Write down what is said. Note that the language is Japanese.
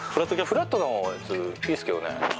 フラットのやついいですけどね。